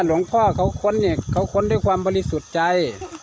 หลวงพ่อเขาค้นด้วยความบริสุทธิ์ใจ